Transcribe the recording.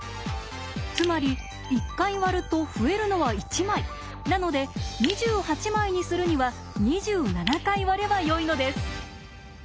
つまり１回割ると増えるのは１枚なので２８枚にするには２７回割ればよいのです。